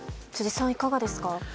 辻さん、いかがですか？